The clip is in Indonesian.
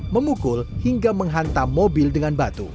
memukul hingga menghantam mobil dengan batu